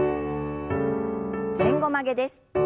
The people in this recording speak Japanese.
前後曲げです。